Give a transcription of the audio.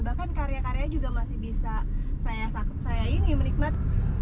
bahkan karya karya juga masih bisa saya ini menikmati